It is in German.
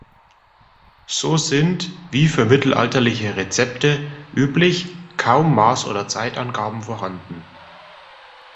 So sind, wie für mittelalterliche Rezepte üblich, kaum Maß- oder Zeitangaben vorhanden.